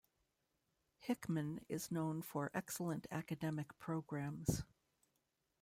Hickman is known for excellent academic programs.